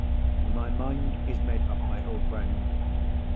"My mind is made up, my old friend.